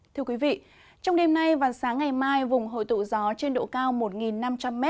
thưa quý vị trong đêm nay và sáng ngày mai vùng hội tụ gió trên độ cao một năm trăm linh m